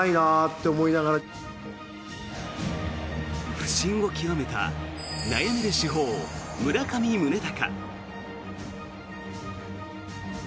不振を極めた悩める主砲、村上宗隆。